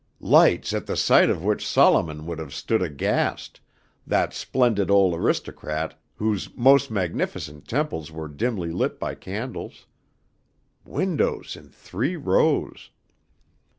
"Lights at the sight of which Solomon would have stood aghast, that splendid ole aristocrat whose mos' magnificent temples were dimly lit by candles.... Windows in three rows!